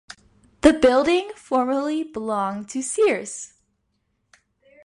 The building formerly belonged to Sears.